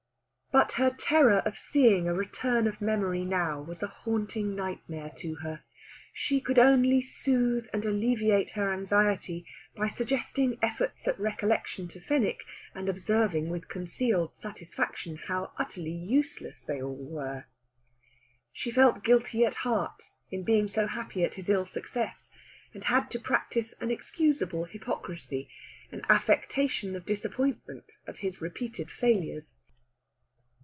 But her terror of seeing a return of memory now was a haunting nightmare to her. She could only soothe and alleviate her anxiety by suggesting efforts at recollection to Fenwick, and observing with concealed satisfaction how utterly useless they all were. She felt guilty at heart in being so happy at his ill success, and had to practise an excusable hypocrisy, an affectation of disappointment at his repeated failures.